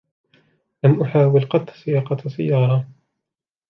لم أحاول قط سياقة سيارة.